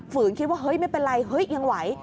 ฝืนคิดว่าไม่เป็นไรยังไหว